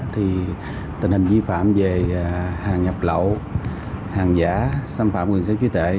thì tình hình vi phạm về hàng nhập lậu hàng giả xâm phạm quyền sở trí tệ